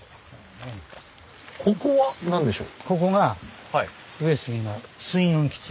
ここは何でしょう？